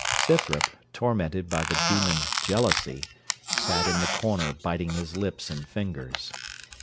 Scythrop, tormented by the demon Jealousy, sat in the corner biting his lips and fingers.